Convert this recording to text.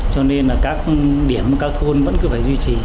cho nên là các điểm các thôn vẫn cứ phải duy trì